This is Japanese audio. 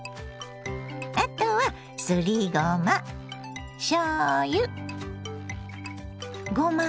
あとはすりごましょうゆごま